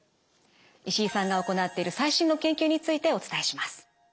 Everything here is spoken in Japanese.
石井さんが行っている最新の研究についてお伝えします。